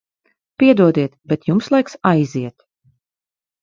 Piedodiet, bet jums laiks aiziet.